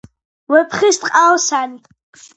ვეფხისტყაოსანი